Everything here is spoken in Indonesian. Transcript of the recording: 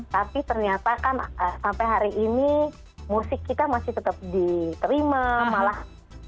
tapi ternyata kan sampai hari ini musik kita masih tetap diterima malah